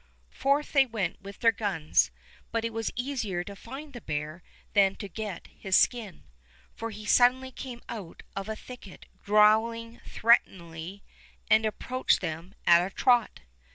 Forth they went with their guns, but it was easier to find the bear than to get his skin; for he suddenly came out of a thicket growling threateningly, and approached them at a trot.